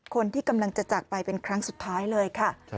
คนที่กำลังจะจากไปเป็นครั้งสุดท้ายเลยค่ะ